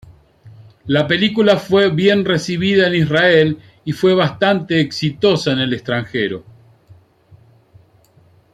La película fue bien recibida en Israel y fue bastante exitosa en el extranjero.